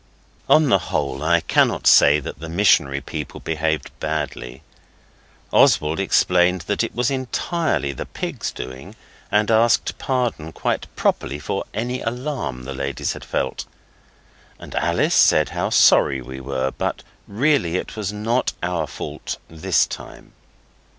On the whole, I cannot say that the missionary people behaved badly. Oswald explained that it was entirely the pig's doing, and asked pardon quite properly for any alarm the ladies had felt; and Alice said how sorry we were but really it was NOT our fault this time.